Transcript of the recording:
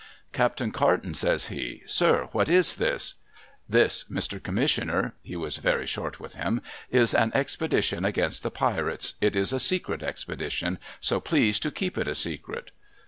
' Captain Carton,' says he, ' Sir, what is this ?'' This, Mr. Commissioner ' (he was very short with him), ' is an expedition against the Pirates. It is a secret expedition, so please to keep it a secret.'